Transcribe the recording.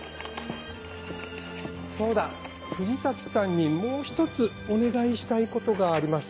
そうだ藤崎さんにもう一つお願いしたいことがありまして。